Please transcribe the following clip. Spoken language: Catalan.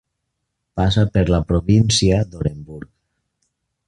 Passa per la província d'Orenburg.